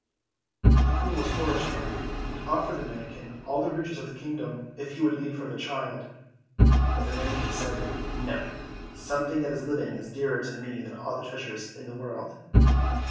The Queen was horror struck, and offered the manikin all the riches of the kingdom if he would leave her the child. But the manikin said, "No, something that is living is dearer to me than all the treasures in the world."